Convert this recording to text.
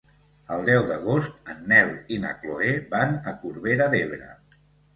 El deu d'agost en Nel i na Chloé van a Corbera d'Ebre.